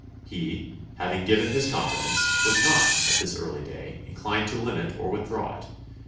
He, having given his confidence, was not, at this early day, inclined to limit or with draw it.